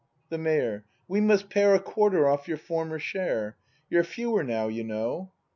The Mayor. We must pare A quarter off your former share. You're fewer now, you know.